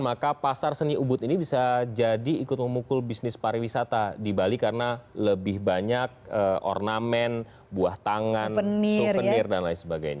maka pasar seni ubud ini bisa jadi ikut memukul bisnis pariwisata di bali karena lebih banyak ornamen buah tangan souvenir dan lain sebagainya